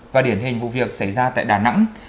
và điển hình vụ việc xảy ra tại đà nẵng